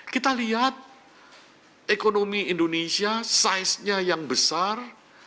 kita lihat ekonomi indonesia saiznya yang besar